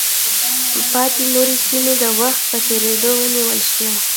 پاتې نورې سیمې د وخت په تېرېدو ونیول شوې.